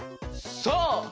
そう！